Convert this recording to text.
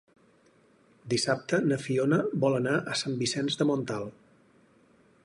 Dissabte na Fiona vol anar a Sant Vicenç de Montalt.